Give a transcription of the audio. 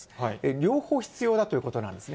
両方必要だということなんですね。